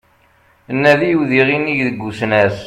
Nadi udiɣ inig seg usnas